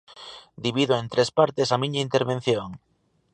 Divido en tres partes a miña intervención.